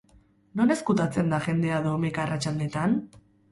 Non ezkutatzen da jendea domeka arratsaldetan?